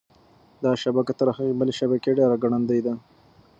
دا شبکه تر هغې بلې شبکې ډېره ګړندۍ ده.